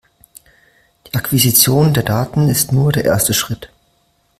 Die Akquisition der Daten ist nur der erste Schritt.